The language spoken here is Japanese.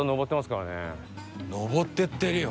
上っていってるよ。